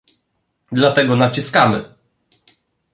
Dlatego naciskamy